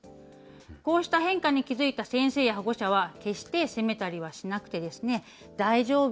こうした変化に気付いた先生や保護者は決して責めたりはしなくて、大丈夫？